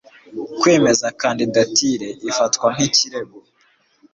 kwemeza kandidatire ifatwa nk ikirego